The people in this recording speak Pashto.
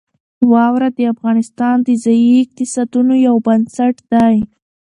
واوره د افغانستان د ځایي اقتصادونو یو بنسټ دی.